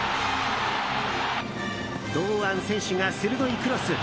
堂安選手が鋭いクロス。